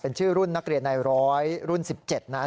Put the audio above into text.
เป็นชื่อรุ่นนักเรียนในร้อยรุ่น๑๗นะ